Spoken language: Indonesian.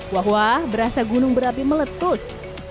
wah wah berasa gunung berapi meletus